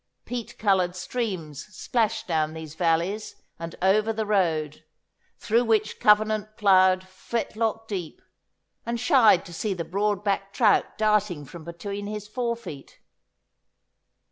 Peat coloured streams splashed down these valleys and over the road, through which Covenant ploughed fetlock deep, and shied to see the broad backed trout darting from between his fore feet.